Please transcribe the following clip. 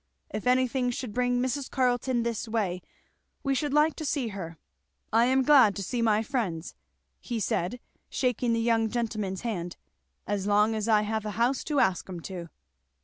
If anything should bring Mrs. Carleton this way we should like to see her. I am glad to see my friends," he said, shaking the young gentleman's hand, "as long as I have a house to ask 'em to!"